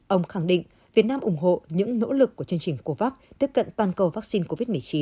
ông khẳng định việt nam ủng hộ những nỗ lực của chương trình covax tiếp cận toàn cầu vaccine covid một mươi chín